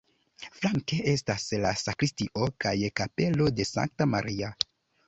Flanke estas la sakristio kaj kapelo de Sankta Maria.